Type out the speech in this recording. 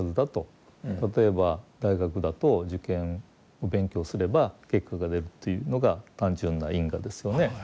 例えば大学だと受験勉強すれば結果が出るというのが単純な因果ですよね。